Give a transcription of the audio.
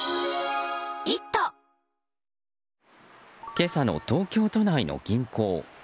今朝の東京都内の銀行。